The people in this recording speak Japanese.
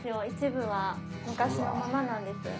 一部は昔のままなんです。